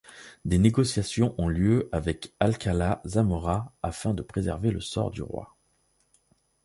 Des négociations ont lieu avec Alcalá Zamora afin de préserver le sort du roi.